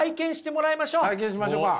体験しましょうか。